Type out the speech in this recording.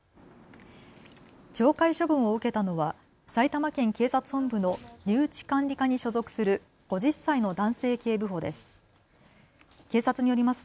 懲戒処分を受けたのは埼玉県警察本部の留置管理課に所属する５０歳の男性警部補です。